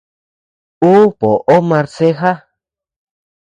Ú boʼo marceja.